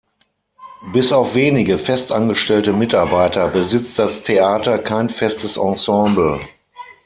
Bis auf wenige fest angestellte Mitarbeiter besitzt das Theater kein festes Ensemble.